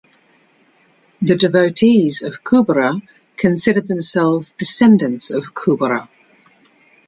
The devotees of Kubera considered themselves descendants of Kubera.